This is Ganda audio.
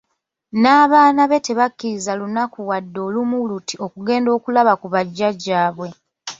N'abaana be tabakkiriza n'olunaku wadde olumu luti okugenda okulaba ku bajjajjaabwe.